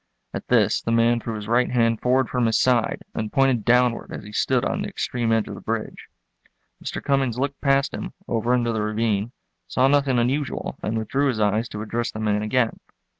At this the man threw his right hand forward from his side and pointed downward as he stood on the extreme edge of the bridge. Mr. Cummings looked past him, over into the ravine, saw nothing unusual and withdrew his eyes to address the man again.